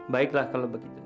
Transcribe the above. baiklah kalau begitu